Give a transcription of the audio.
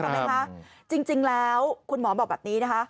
ไหมคะจริงแล้วคุณหมอบอกแบบนี้นะคะ